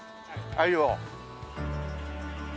アユを。